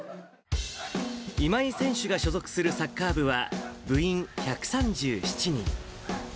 今井選手が所属するサッカー部は、部員１３７人。